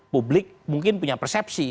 publik mungkin punya persepsi